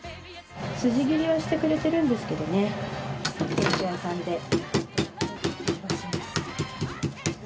筋切りはしてくれてるんですけどねお肉屋さんで。